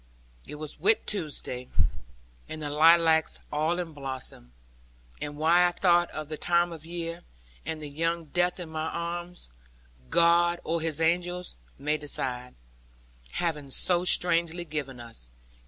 It was Whit Tuesday, and the lilacs all in blossom; and why I thought of the time of year, with the young death in my arms, God or His angels, may decide, having so strangely given us.